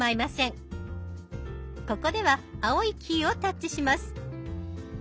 ここでは青いキーをタッチします。